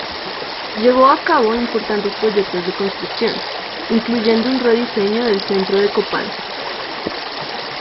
Llevó a cabo importantes proyectos de construcción, incluyendo un rediseño del centro de Copán.